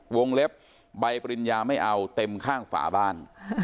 เล็บใบปริญญาไม่เอาเต็มข้างฝาบ้าน